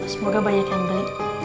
semoga banyak yang beli